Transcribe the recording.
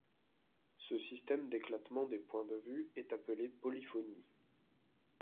Ce système d’éclatement des points de vue est appelé polyphonie.